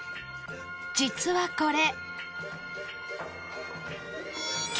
実はこれ